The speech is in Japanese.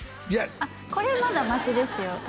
いやっこれまだマシですよ